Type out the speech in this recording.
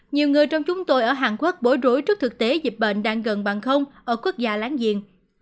nhiều người trong chúng tôi ở hàn quốc bối bối rối trước thực tế dịch bệnh đang gần bằng không ở quốc gia láng giềng